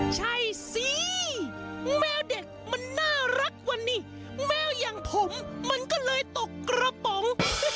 ใช่สิแมวเด็กมันน่ารักวันนี้แมวอย่างผมมันก็เลยตกกระป๋อง